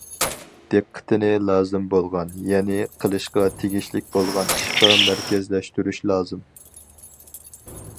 دىققىتىنى لازىم بولغان، يەنى قىلىشقا تېگىشلىك بولغان ئىشقا مەركەزلەشتۈرۈش لازىم.